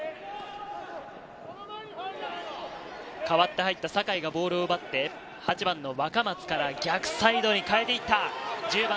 代わって入った坂井がボールを奪って、８番の若松から逆サイドに変えていった。